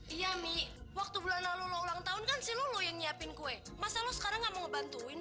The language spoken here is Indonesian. iami waktu bulan lalu ulang tahun kan si lulu yang nyiapin kue masa lo sekarang mau bantuin